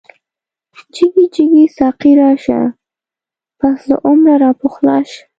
جگی جگی ساقی راشه، پس له عمره را پخلاشه